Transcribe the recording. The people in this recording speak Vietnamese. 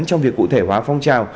trong việc cụ thể hóa phong trào